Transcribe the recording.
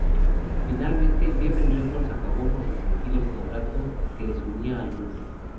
Finalmente, Geffen Records acabó por rescindir el contrato que les unía al grupo.